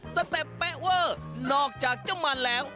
สเต็ปเป๊ะเวอร์นอกจากเจ้ามันแล้ว